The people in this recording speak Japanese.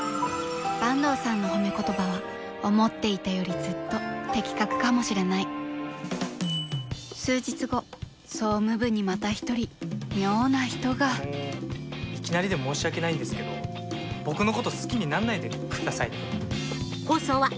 坂東さんの褒め言葉は思っていたよりずっと的確かもしれない数日後総務部にまた一人妙な人がいきなりで申し訳ないんですけど僕のこと好きになんないで下さいね。